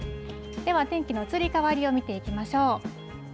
では、天気の移り変わりを見ていきましょう。